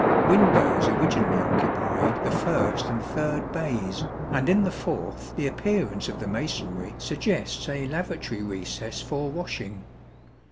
Windows originally occupied the first and third bays, and in the fourth the appearance of the masonry suggests a lavatory recess for washing.